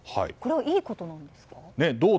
これはいいことなんですか？